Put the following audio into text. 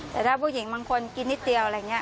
แต่ถ้าผู้หญิงบางคนกินนิดเดียวอะไรอย่างนี้